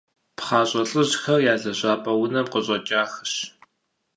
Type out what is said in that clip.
ПхъащӀэ лӀыжьхэр я лэжьапӀэ унэм къыщӀэкӀахэщ.